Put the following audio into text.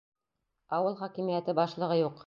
Ауыл хакимиәте башлығы юҡ.